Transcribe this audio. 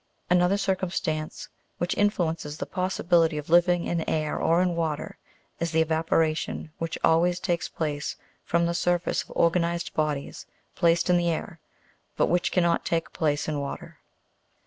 Another circum stance which influences the possibility of living in air or in water is the evaporation which always takes place from the surface of organized bodies placed in the air, but which cannot take place in water.